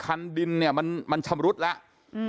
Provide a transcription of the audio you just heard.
คันดินเนี่ยมันชำรุดแล้ว